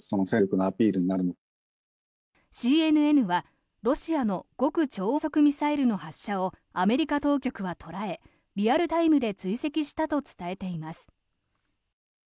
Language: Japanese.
ＣＮＮは、ロシアの極超音速ミサイルの発射をアメリカ当局は捉えリアルタイムで追跡したと伝えています。